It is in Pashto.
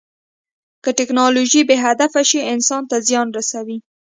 که ټیکنالوژي بې هدفه شي، انسان ته زیان رسوي.